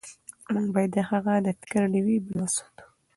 موږ باید د هغه د فکر ډیوې بلې وساتو.